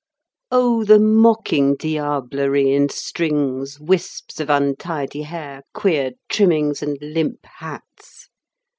Oh! the mocking diablery in strings, wisps of untidy hair, queer trimmings, and limp hats.